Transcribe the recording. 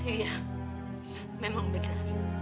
iya memang benar